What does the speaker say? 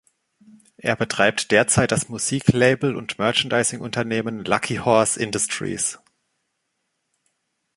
Er betreibt derzeit das Musik-Label und Merchandising-Unternehmen Luckyhorse Industries.